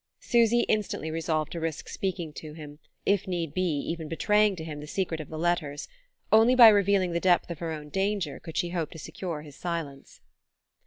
Susy instantly resolved to risk speaking to him, if need be even betraying to him the secret of the letters. Only by revealing the depth of her own danger could she hope to secure his silence.